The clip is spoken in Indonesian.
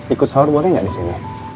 ikut sahur boleh gak disini